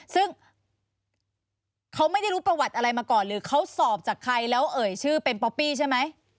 ซึ่งเขาไม่ได้รู้ประวัติอะไรมาก่อนหรือเขาสอบจากใครแล้วเอ่ยชื่อเป็นป๊อปปี้ใช่ไหม